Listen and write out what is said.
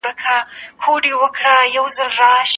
په ژمي کې د زعفرانو پیاز په ځمکه کې وي.